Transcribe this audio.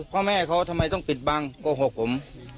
พ่อแม่เขาทำไมต้องปิดบังโกหกผม